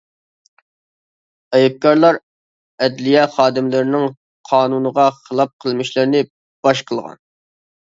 ئەيىبكارلار ئەدلىيە خادىملىرىنىڭ قانۇنغا خىلاپ قىلمىشلىرىنى باش قىلغان.